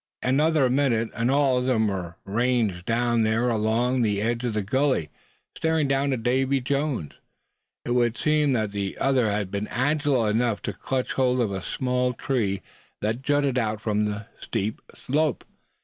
Another minute, and all of them were ranged there along the edge of the gully, staring down at Davy Jones. It would seem that the other had been agile enough to clutch hold of a small tree that jutted out from the steep slope.